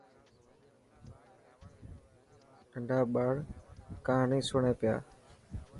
تڌا ٻاڙ ڪهاني سڻي پيا.